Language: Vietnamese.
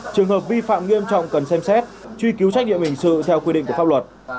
trường hợp vi phạm nghiêm trọng cần xem xét truy cứu trách nhiệm hình sự theo quy định của pháp luật